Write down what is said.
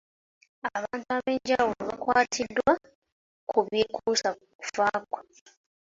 Abantu ab'enjawulo bakwatiddwa ku byekuusa ku kufa kwe.